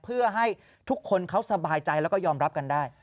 เพื่อให้ทุกคนเขาสบายใจแล้วก็ยอมรับกันได้